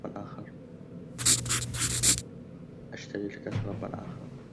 أأشتري لك شرابا آخر؟